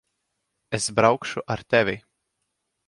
Es braukšu ar tevi.